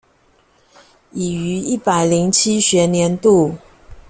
已於一百零七學年度